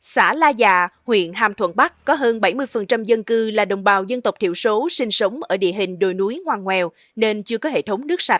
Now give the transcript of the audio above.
xã la gia huyện ham thuận bắc có hơn bảy mươi dân cư là đồng bào dân tộc thiểu số sinh sống ở địa hình đồi núi hoàng ngoèo